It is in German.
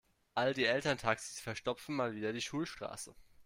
All die Elterntaxis verstopfen mal wieder die Schulstraße.